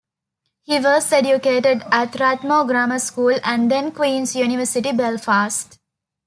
He was educated at Rathmore Grammar School and then Queen's University Belfast.